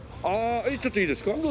ああちょっといいですか？